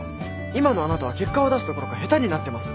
今のあなたは結果を出すどころか下手になってます。